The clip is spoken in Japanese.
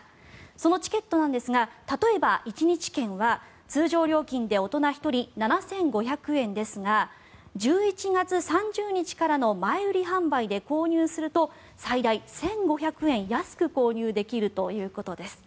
そのチケットなんですが例えば一日券は通常料金で大人１人７５００円ですが１１月３０日からの前売り販売で購入すると最大１５００円安く購入できるということです。